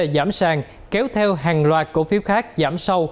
giảm sàng kéo theo hàng loạt cổ phiếu khác giảm sâu